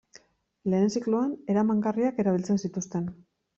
Lehen zikloan eramangarriak erabiltzen zituzten.